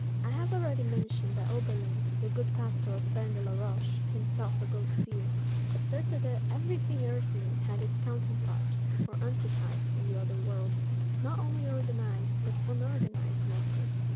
I have already mentioned that Oberlin, the good pastor of Ban de la Roche, himself a ghost seer, asserted that everything earthly had its counterpart, or antitype, in the other world, not only organized, but unorganized matter.